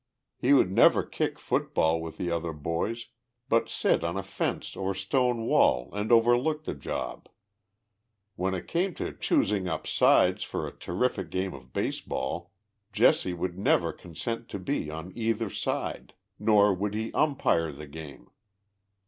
lie would never kick foot ball with the other boys, but sit on a fence or stone wall and overlook the job. 'VYhen it came to • choosing up sides ' for a terrific game of base ball. Jesse would never con sent to be on either side — nor would he umpire the game.